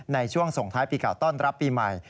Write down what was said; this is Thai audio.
ในช่วงส่งท้ายปีเก่าต้อนรับปีใหม่